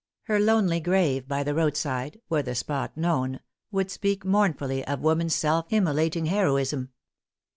Her lonely grave by the roadside, were the spot known, would speak mournfully of woman's self immolating heroism.